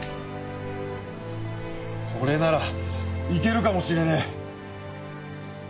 これならいけるかもしれねえ！